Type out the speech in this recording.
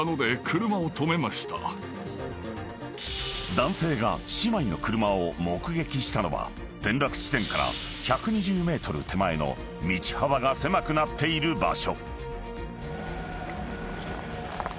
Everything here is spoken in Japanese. ［男性が姉妹の車を目撃したのは転落地点から１２０ｍ手前の道幅が狭くなっている場所］